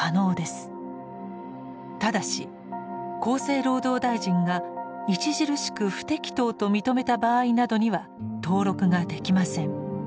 ただし厚生労働大臣が「著しく不適当」と認めた場合などには登録ができません。